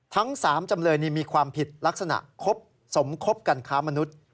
ทั้ง๓จำเลยมีความผิดลักษณะสมคบกันค้ามนุษย์